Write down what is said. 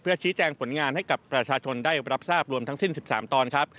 ชี้แจงผลงานให้กับประชาชนได้รับทราบรวมทั้งสิ้น๑๓ตอนครับ